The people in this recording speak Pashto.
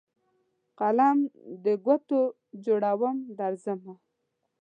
قلم دګوټو جوړوم درځمه